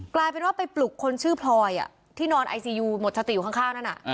กลายเป็นว่าไปปลุกคนชื่อพลอยที่นอนไอซียูหมดสติอยู่ข้างนั้น